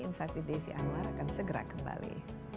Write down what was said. insight with desi anwar akan segera kembali